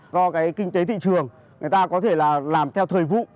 do kinh tế thị trường người ta có thể làm theo thời vụ